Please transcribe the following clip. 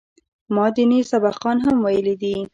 ما ديني سبقان هم ويلي دي.